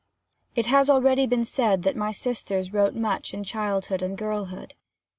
It has been already said that my sisters wrote much in childhood and girlhood.